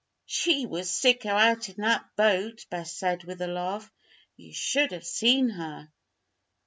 "She was sicker out in that boat," Bess said, with a laugh. "You should have seen her."